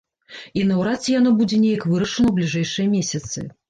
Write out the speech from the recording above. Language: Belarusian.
І наўрад ці яно будзе неяк вырашана ў бліжэйшыя месяцы.